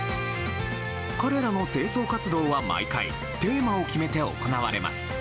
彼らの清掃活動は毎回テーマを決めて行われます。